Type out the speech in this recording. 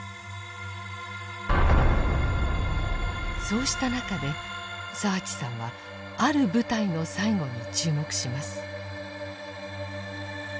そうした中で澤地さんはある部隊の最期に注目します。